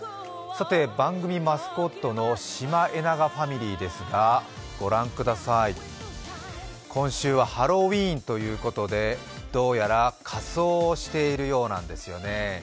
番組マスコットのシマエナガファミリーですがご覧ください、今週はハロウィーンということで、どうやら仮装をしているようなんですよね。